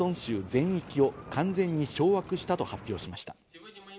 全域を完全に掌握したと発表しました。